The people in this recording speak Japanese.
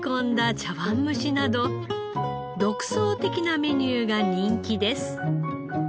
茶わん蒸しなど独創的なメニューが人気です。